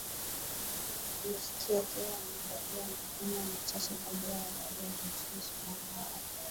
muziki yakiwa yamezalia majumaa machache kabla ya raia wa nchini sudan hawaja